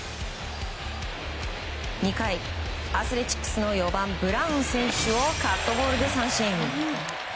２回、アスレチックスの４番、ブラウン選手をカットボールで三振。